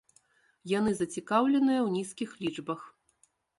Яны зацікаўленыя ў нізкіх лічбах.